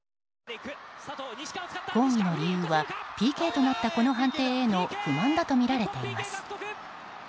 抗議の理由はＰＫとなったこの判定への不満だとみられています。